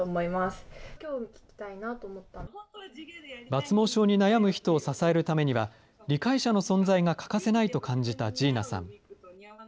抜毛症に悩む人を支えるためには、理解者の存在が欠かせないと感じたＧｅｎａさん。